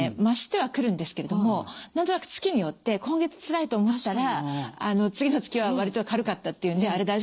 増してはくるんですけれども何となく月によって「今月つらい」と思ったら「次の月は割と軽かった」っていうんで「あれ？